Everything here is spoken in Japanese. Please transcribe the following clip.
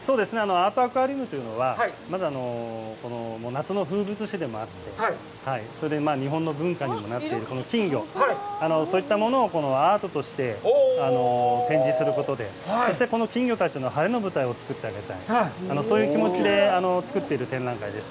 アートアクアリウムというのは、まず夏の風物詩でもあって、日本の文化にもなっているこの金魚、そういったものをアートとして展示することで、そして、この金魚たちの晴れの舞台を作ってあげたい、そういう気持ちで作っている展覧会です。